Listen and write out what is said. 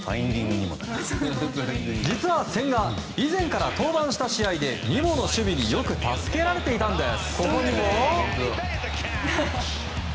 実は千賀、以前から登板した試合でニモの守備によく助けられていたんです。